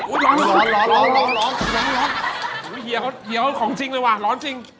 อุ้ยเฮียเค้าของจริงเลยวะล้อนจริง